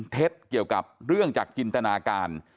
เกี่ยวกับเรื่องจากจินตนาการ